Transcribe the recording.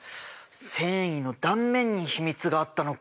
繊維の断面に秘密があったのか。